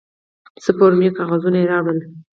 څه فورمې کاغذونه یې راوړل.